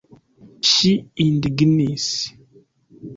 Ŝi indignis.